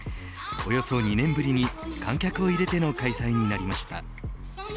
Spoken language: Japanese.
およそ２年ぶりに観客を入れての開催になりました。